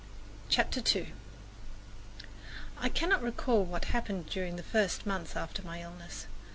CHAPTER II I cannot recall what happened during the first months after my illness.